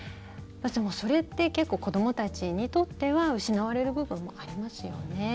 それって結構子どもたちにとっては失われる部分ありますよね。